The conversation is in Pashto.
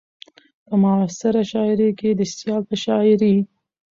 په معاصره شاعرۍ کې د سيال په شاعرۍ